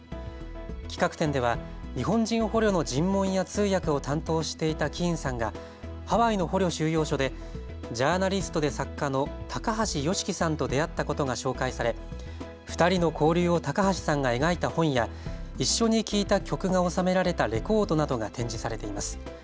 企画展では日本人捕虜の尋問や通訳を担当していたキーンさんがハワイの捕虜収容所でジャーナリストで作家の高橋義樹さんと出会ったことが紹介され２人の交流を高橋さんが描いた本や一緒に聴いた曲が収められたレコードなどが展示されています。